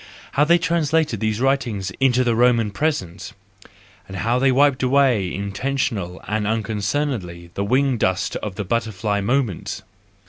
How they trans¬ lated these writings into the Roman present! How they wiped away intentionally and uncon¬ cernedly the wing dust of the butterfly moment!